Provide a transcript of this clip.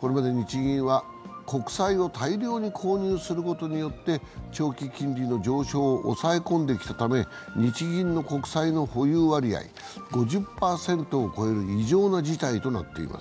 これまで日銀は国債を大量に購入することによって長期金利の上昇を抑え込んできたため、日銀の国債の保有割合、５０％を超える異常な事態となっています。